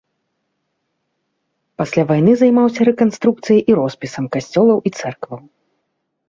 Пасля вайны займаўся рэканструкцыяй і роспісам касцёлаў і цэркваў.